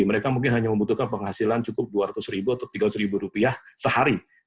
mereka mungkin hanya membutuhkan penghasilan cukup dua ratus ribu atau tiga ratus ribu rupiah sehari